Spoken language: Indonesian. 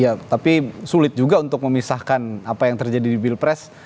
ya tapi sulit juga untuk memisahkan apa yang terjadi di pilpres